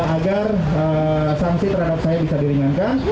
agar sanksi terhadap saya bisa diringankan